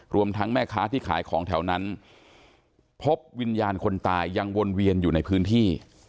รวมทั้งแม่ค้าที่ขายของแถวนั้นพบวิญญาณคนตายยังวนเวียนอยู่ในพื้นที่